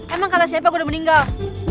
emang kata siapa gue udah meninggal